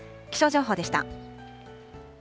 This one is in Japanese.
気象情報でした。